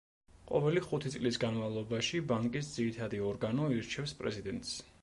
ყოველი ხუთი წლის განმავლობაში ბანკის ძირითადი ორგანო ირჩევს პრეზიდენტს.